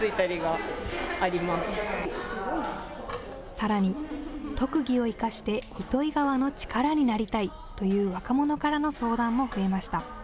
さらに、特技を生かして糸魚川の力になりたいという若者からの相談も増えました。